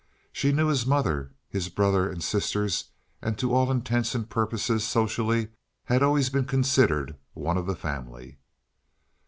She knew his mother, his brother and sisters and to all intents and purposes socially had always been considered one of the family.